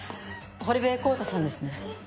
堀部康太さんですね？